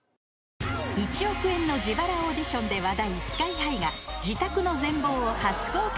１億円の自腹オーディションで話題ＳＫＹ−ＨＩが自宅の全貌を初公開